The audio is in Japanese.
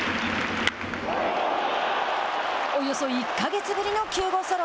およそ１か月ぶりの９号ソロ。